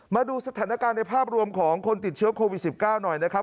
มาดูสถานการณ์ในภาพรวมของคนติดเชื้อโควิด๑๙หน่อยนะครับ